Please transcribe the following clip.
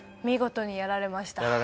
見事にやられました。